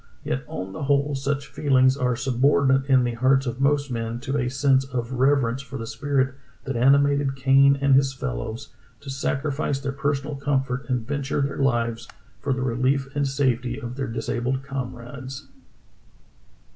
Yet on the whole such feelings are subordinate in the hearts of most men to a sense of reverence for the spirit that animated Kane and his fellows to sacrifice their personal comfort and venture their lives for the relief and safety of their disabled comrades.